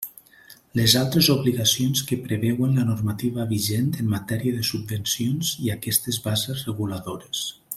Les altres obligacions que preveuen la normativa vigent en matèria de subvencions i aquestes bases reguladores.